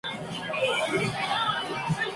The New Scientist.